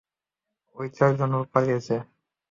ওই চারজন লোক পালিয়ে গেছে।